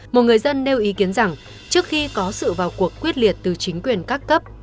một người dân nêu ý kiến rằng trước khi có sự vào cuộc quyết liệt từ chính quyền các cấp